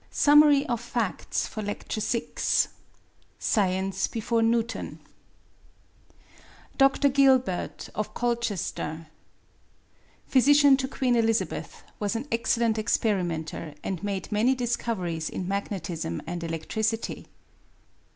SUMMARY OF FACTS FOR LECTURE VI Science before Newton Dr. Gilbert, of Colchester, Physician to Queen Elizabeth, was an excellent experimenter, and made many discoveries in magnetism and electricity.